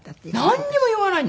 なんにも言わないんですよ。